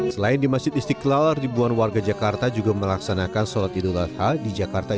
selain di masjid istiqlal ribuan warga jakarta juga melaksanakan solat idolata